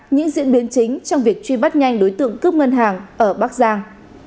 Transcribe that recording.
những diễn biến chính trong việc truy bắt nhanh đối tượng cướp ngân hàng ở bắc giang